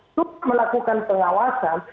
untuk melakukan pengawasan